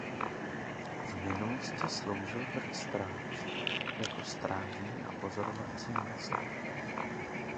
V minulosti sloužil vrch Stráž jako strážní a pozorovací místo.